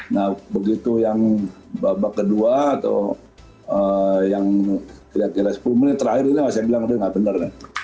nah begitu yang babak kedua atau yang kira kira sepuluh menit terakhir ini saya bilang itu nggak benar